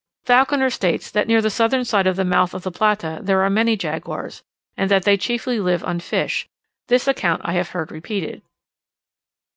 Falconer states that near the southern side of the mouth of the Plata there are many jaguars, and that they chiefly live on fish; this account I have heard repeated.